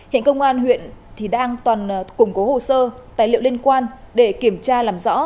hiện công an huyện thì đang toàn củng cố hồ sơ tài liệu liên quan để kiểm tra làm rõ